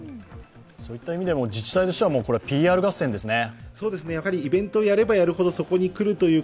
そういった意味でも自治体としてはＰＲ合戦ですね。